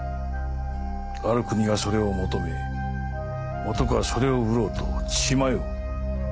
ある国がそれを求め男はそれを売ろうと血迷う。